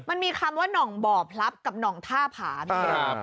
มันมีคำว่าหน่องบ่อพลับกับหน่องท่าผามี